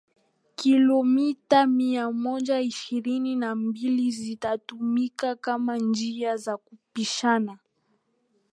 Kilomita mia moja ishirini na mbili zitatumika kama njia za kupishana